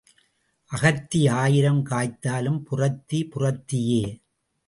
அகத்தி ஆயிரம் காய்த்தாலும் புறத்தி புறத்தியே.